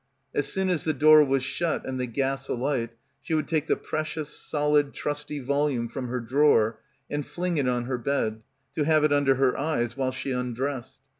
As soon as the door was shut and the gas alight, she would take the precious, solid trusty volume from her drawer and fling it on her bed, to have it under her eyes while she undressed.